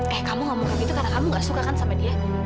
eh kamu ngomong kayak gitu karena kamu nggak suka kan sama dia